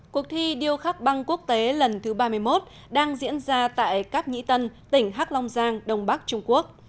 cuộc thi điêu khắc băng quốc tế lần thứ ba mươi một đang diễn ra tại cáp nhĩ tân tỉnh hắc long giang đông bắc trung quốc